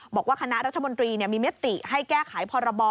บอกว่าคณะรัฐมนตรีมีมติให้แก้ไขพรบ